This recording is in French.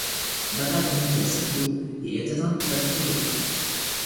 Baba grandit à Sanjō et est atteint d'acromégalie.